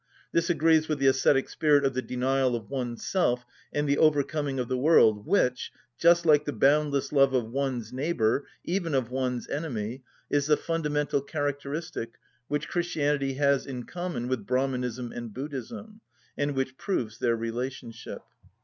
(53) This agrees with the ascetic spirit of the denial of one's self and the overcoming of the world which, just like the boundless love of one's neighbour, even of one's enemy, is the fundamental characteristic which Christianity has in common with Brahmanism and Buddhism, and which proves their relationship.